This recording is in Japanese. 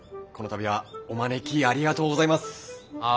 この度はお招きありがとうございます。